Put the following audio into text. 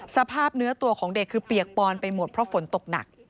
สภาพเนื้อตัวของเด็กคือเปียกปอนไปหมดเพราะฝนตกหนัก